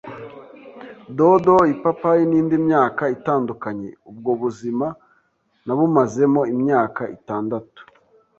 dodo, ipapayi n’indi myaka itadukanye. Ubwo buzima nabumazemo imyaka itandatu,